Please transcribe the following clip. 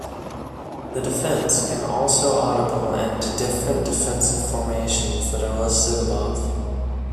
The defense can also audible into different defensive formations that are listed above.